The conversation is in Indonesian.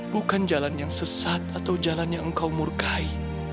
bukan jalan yang sesat atau jalan yang engkau murkai